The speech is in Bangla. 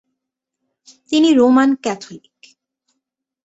তিনি রোমান ক্যাথলিক।